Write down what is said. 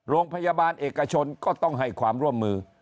โรงพยาบาลเอกชนก็ต้องให้ความร่วมมือ